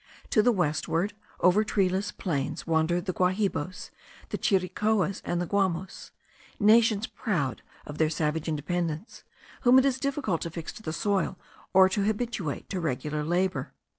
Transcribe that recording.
To the westward, over treeless plains, wander the Guahibos, the Chiricoas, and the Guamos; nations, proud of their savage independence, whom it is difficult to fix to the soil, or habituate to regular labour.